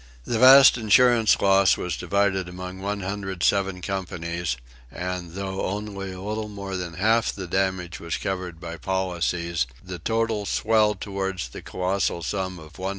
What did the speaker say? The vast insurance loss was divided among 107 companies, and, though only a little more than half the damage was covered by policies, the total swelled toward the colossal sum of $150,000,000.